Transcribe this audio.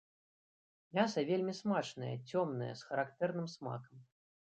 Мяса вельмі смачнае, цёмнае, з характэрным смакам.